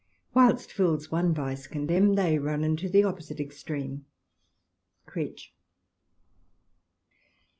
Whilst fools one vice condemn, They run into the opposite extreme." Creech.